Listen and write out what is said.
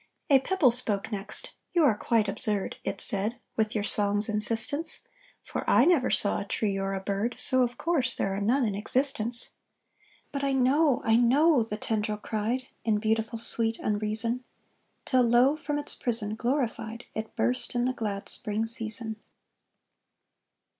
A pebble spoke next: "You are quite absurd." It said, "with your song's insistence; For I never saw a tree or a bird, So of course there are none in existence." "But I know, I know," the tendril cried, In beautiful sweet unreason; Till lo! from its prison, glorified, It burst in the glad spring season.